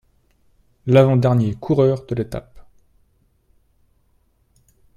L'avant dernier coureur de l'étape.